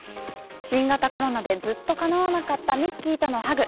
新型コロナでずっとかなわなかったミッキーとのハグ。